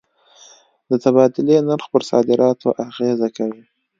د تبادلې نرخ پر صادراتو اغېزه کوي.